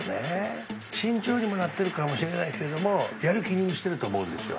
慎重にもなってるかもしれないけれどもやる気に満ちてると思うんですよ。